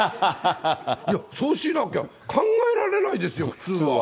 いや、そうしなきゃ考えられないですよ、普通は。